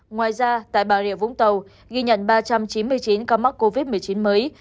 ngoài ra tại bà rịa vũng tàu ghi nhận ba trăm chín mươi chín ca mắc covid một mươi chín mới